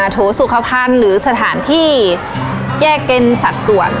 โถสุขภัณฑ์หรือสถานที่แยกเป็นสัดส่วน